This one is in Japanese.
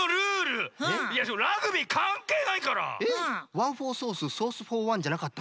「ワンフォーソースソースフォーワン」じゃなかった？